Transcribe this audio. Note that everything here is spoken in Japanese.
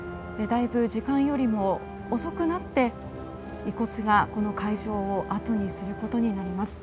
だいぶ時間よりも遅くなって遺骨が、この会場を後にすることになります。